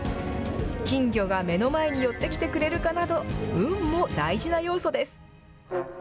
金魚が目の前に寄ってきてくれるかなど、運も大事な要素です。